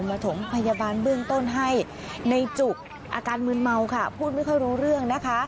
ถมพยาบาลเบื้องต้นให้ในจุกอาการมืนเมาค่ะพูดไม่ค่อยรู้เรื่องนะคะ